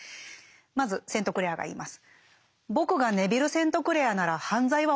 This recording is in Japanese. まずセントクレアが言います。